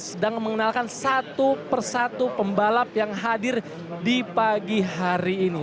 sedang mengenalkan satu persatu pembalap yang hadir di pagi hari ini